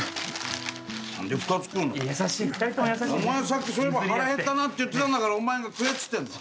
さっきそういえば腹減ったなって言ってたんだからお前が食えっつってんの。